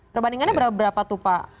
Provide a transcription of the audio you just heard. perbandingannya berapa tuh pak